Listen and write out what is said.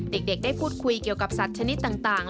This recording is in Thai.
เด็กได้พูดคุยเกี่ยวกับสัตว์ชนิดต่าง